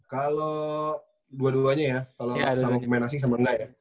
kalau dua duanya ya kalau sama pemain asing sama enggak ya